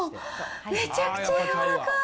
めちゃくちゃ柔らかい。